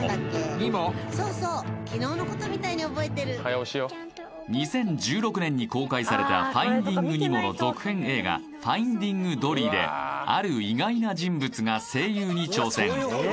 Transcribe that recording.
ニモそうそうきのうのことみたいに覚えてる２０１６年に公開された「ファインディング・ニモ」の続編映画「ファインディング・ドリー」で誰かねえ